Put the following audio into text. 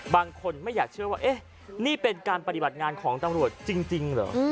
บางคนไม่อยากเชื่อว่าเอ๊ะนี่เป็นการปฏิบัติงานของตำรวจจริงเหรอ